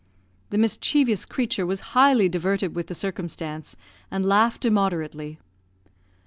The mischievous creature was highly diverted with the circumstance, and laughed immoderately.